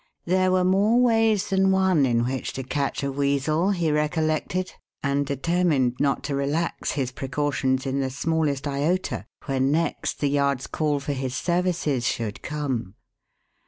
There were more ways than one in which to catch a weasel, he recollected, and determined not to relax his precautions in the smallest iota when next the Yard's call for his services should come.